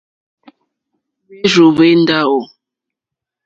Hwérzù hwé ndáwò.